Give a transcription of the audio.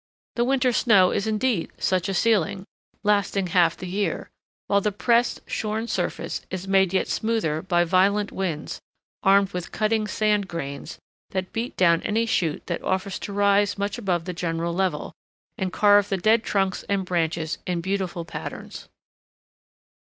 The winter snow is indeed such a ceiling, lasting half the year; while the pressed, shorn surface is made yet smoother by violent winds, armed with cutting sand grains, that beat down any shoot that offers to rise much above the general level, and carve the dead trunks and branches in beautiful patterns.